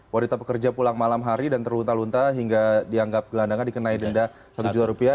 wanita pekerja pulang malam hari dan terlunta lunta hingga dianggap gelandangan dikenai denda satu juta rupiah